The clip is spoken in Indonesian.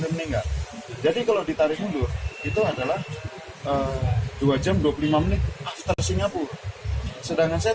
meninggal jadi kalau ditarik mundur itu adalah dua jam dua puluh lima menit setelah singapura sedangkan saya